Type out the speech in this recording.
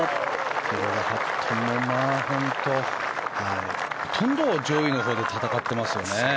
ティレル・ハットンも本当にほとんど上位のほうで戦っていますよね。